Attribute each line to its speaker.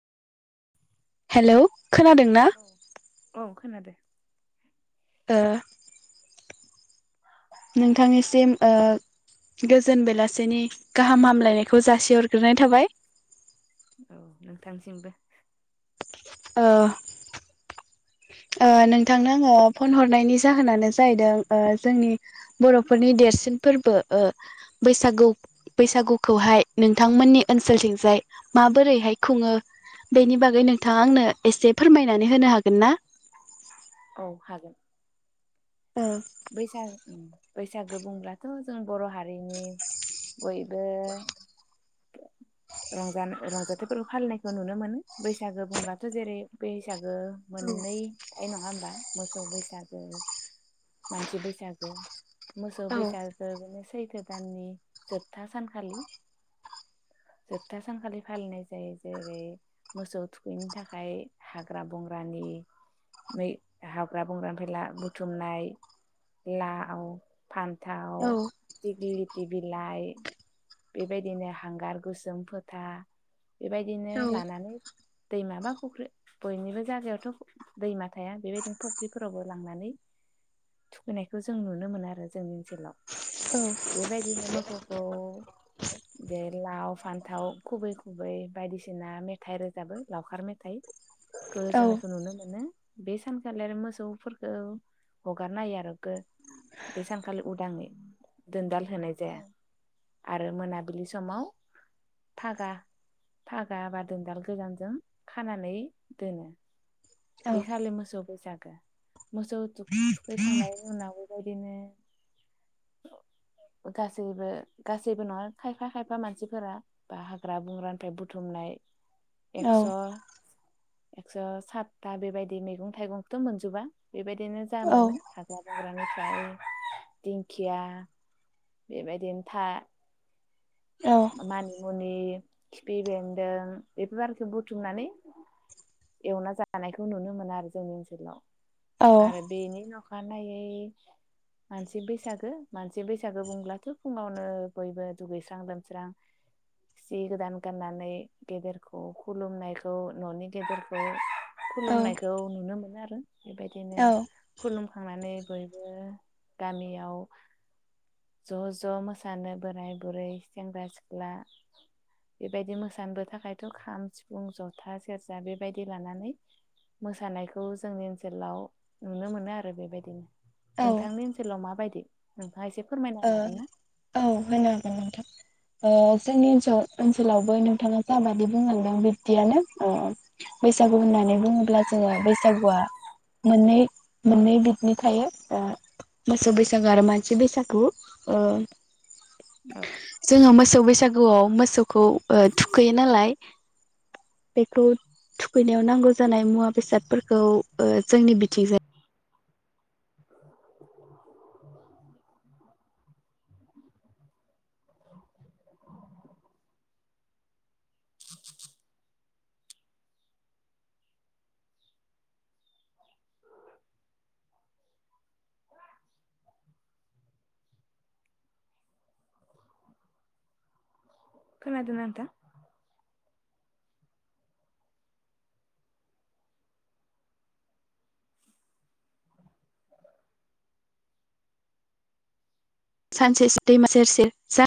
Speaker 1: Hello खोनादोंना
Speaker 2: औ ओं खोनादो।
Speaker 1: ओ नोंथांनिसिम ओ गोजोन बेलासिनि गाहाम हामलायनायखौ जासिहरग्रोनाय थाबाय।
Speaker 2: औ नोंथांसिमबो।
Speaker 1: ओ ओ नोंथांनो आङो फन हरनायनि जाहोनानो जाहैदों ओ जोंनि बर'फोरनि देरसिन फोरबो ओ बैसागु बैसागुखौहाय नोंथांमोननि ओनसोलथिंजाय माबोरैहाय खुङो बेनि बागै नोंथाङा आंनो एसे फोरमायनानै होनो हागोन ना?
Speaker 2: औ हागोन।
Speaker 1: ओ
Speaker 2: बैसाग उम बैसागो बुंब्लाथ' जों बर' हारिनि बयबो रंजानो रंजाथाय फोरबो फालिनायखौ नुनो मोनो बैसागो बुंब्लाथ' जेरै बे बैसागो
Speaker 1: औ
Speaker 2: बा मोसौ बैसागो मानसि बैसागो मोसौ
Speaker 1: औ
Speaker 2: बैसागो बिनो सै थो दाननि जोबथा सानखालि जोबथा सानखालि फालिनाय जायो। जेरै मोसौ थुखैनो थाखाय हाग्रा बंग्रानि हाग्रा बंग्रानि मै हाग्रा बंग्रानिफ्राय ला बुथुमनाय लाउ फान्थाव दिगलि दि बिलाइ बेबायदिनो हांगार गोसोम फोथा बेबायदिनो
Speaker 1: औ
Speaker 2: लानानै दैमा बा फुख्रि बयनिबो जायगायावथ' दैमा थाया बेबायदिनो फुख्रिफोरावबो लांनानै थुखैनायखौ जों नुनो मोनो आरो जोंनि ओनसोलाव बेबायदिनो मोखौखौ [unintelligible] लाव फान्थाव खुबै खुबै बायदिसिना मेथाइ रोजाबो लावखार मेथाइ।
Speaker 1: औ
Speaker 2: रोजाबनायखो नुनो मोनो‌‌। बे सानखालि आरो मोसौफोरखौ हगारना होयो आरो गो बे सानखालि उदाङै दोनदाल होनाय जाया आरो मोनाबिलि समाव फागा फागा बा दोनदाल गोदानजों खानानै दोनो। बे खालि मोसौबो जा मोसौथि थुखैखांनायनि उनाव बेबाय दिनो गासैबो गासैबो नङा खायफा खायफा मानसिफोरा बा हाग्रा बंग्रानिफ्राय बुथुमनाय
Speaker 1: औ
Speaker 2: एक्स' एकस' सातथा बेबायदि मैगं थाइगंखौथ' मोनजोबा। बेबायदिनो [unintelligible] मोनो हाग्रा बंग्रा बेनिफ्राय दिंखिया बेबायदिनो था। मानि मुनि खिफि बेन्दों बेफोर आरोखि बुथुमनानै एवना जानायखौ नुनो मोनो आरो जोंनि ओनसोलाव
Speaker 1: औ
Speaker 2: आरो बेनि नख खानायै मानसि बैसागो मानसि बैसागो बुंब्लाथ' फुङावनो बयबो दुगैस्रां लोम स्रां सि गोदान गाननानै गेदेरखौ खुलुमनायखौ न'नि गेदेरखौ
Speaker 1: औ
Speaker 2: खुलुमनायखौ नुनो मोनो आर बेबायदिनो
Speaker 1: औ
Speaker 2: खुलुम थांनानै बयबो गामियाव ज' ज' मोसानो बोराय बुरै सेंग्रा सिख्ला बेबायदि मोसानोबो थाखायथ' खाम सिफुं जथा सेरजा बेबायदि लानानै मोसानायखौ जोंनि ओनसोलाव नुनो मोनो आरो बेबायदिनो।
Speaker 1: औ
Speaker 2: नोंथांनि ओनसोलाव माबायदि? उम
Speaker 1: ओ औ होनो हागोन नोंथां ओ जोंनि ओनसोल ओनसोलावबो नोंथाङा जाबादि बुंलांदों बिबदियानो ओ बैसागु होननानै बुङोब्ला जोङो बैसागुआ मोननै मोननै बिबनि थायो ओ मोसौ बैसागु आरो मानसि बैसागु ओ
Speaker 2: औ
Speaker 1: जोङो मोसौ बैसागुआव मोसौखौ ओ थुखैयो नालाय बेखौ थुखैनायाव नांगौ जानाय मुवा बेसादफोरखौ ओ जोंनि बिथिं जाय
Speaker 2: खोनादोंना नोंथां?
Speaker 1: सानसे दैमा सेर सेर जा